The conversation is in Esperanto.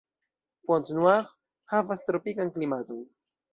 Pointe-Noire havas tropikan klimaton.